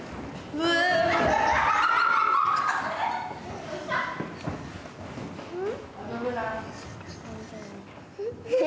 うん？